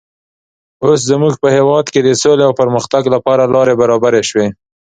اوس زموږ په هېواد کې د سولې او پرمختګ لپاره لارې برابرې شوې.